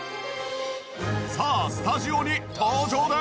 さあスタジオに登場です！